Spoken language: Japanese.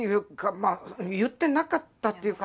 まぁ言ってなかったというか。